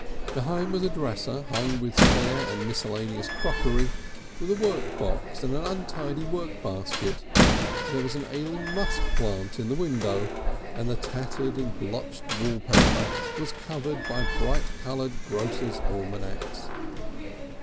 Behind was a dresser hung with spare and miscellaneous crockery, with a workbox and an untidy work basket, there was an ailing musk plant in the window, and the tattered and blotched wallpaper was covered by bright coloured grocers' almanacs.